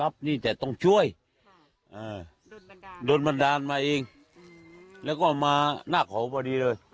บนตอนนัด